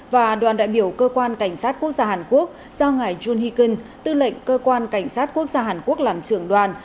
và đoàn đại biểu cơ quan cảnh sát quốc gia hàn quốc do ngài jun heeken tư lệnh cơ quan cảnh sát quốc gia hàn quốc làm trưởng đoàn